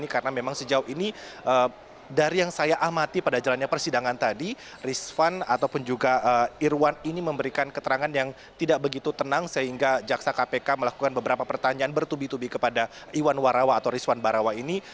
karena memang sejauh ini dari yang saya amati pada jalannya persidangan tadi rizwan ataupun juga irwan ini memberikan keterangan yang tidak begitu tenang sehingga jaksa kpk melakukan beberapa pertanyaan bertubi tubi kepada iwan warawa atau rizwan barawa ini